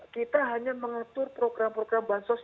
kita hanya mengatur program program bantuan sosial